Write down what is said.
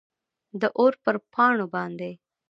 داور پر پاڼو باندي ،